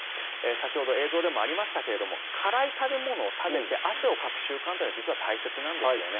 先ほど、映像でもありましたが辛い食べ物を食べて汗をかく習慣というのは実は大切なんですよね。